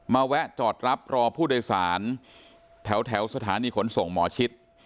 แวะจอดรับรอผู้โดยสารแถวสถานีขนส่งหมอชิด